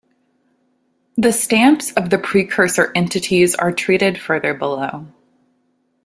The stamps of the precursor entities are treated further below.